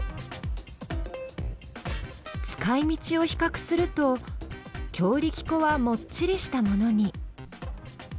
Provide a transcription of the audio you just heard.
使いみちを比較すると強力粉はもっちりしたものに。